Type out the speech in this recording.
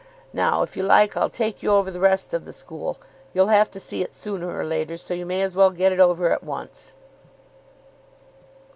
Now, if you like, I'll take you over the rest of the school. You'll have to see it sooner or later, so you may as well get it over at once."